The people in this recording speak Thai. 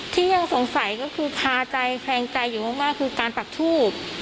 ที่ยังสงสัยก็คือคาใจแคลงใจอยู่มากคือการปักทูบ